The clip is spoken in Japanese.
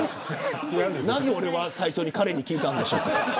なぜ、俺は、最初に彼に聞いたんでしょうか。